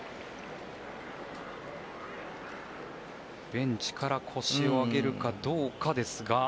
ベンチから腰を上げるかどうかですが。